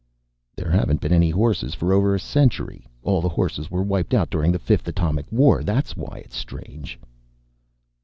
"There haven't been any horses for over a century. All the horses were wiped out during the Fifth Atomic War. That's why it's strange."